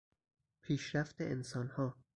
پیشرفت انسانها